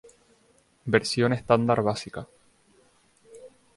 Versión estándar básica.